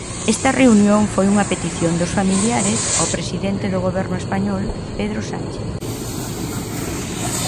Esta reunión foi unha petición dos familiares ao presidente do Goberno español, Pedro Sánchez.